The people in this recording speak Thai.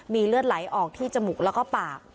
มีเลือดไหลออกที่จมูกแล้วก็ปาก